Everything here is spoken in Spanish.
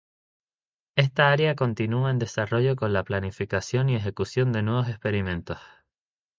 Esta área continúa en desarrollo con la planificación y ejecución de nuevos experimentos.